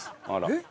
えっ？